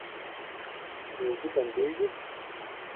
روزي بندیږي؟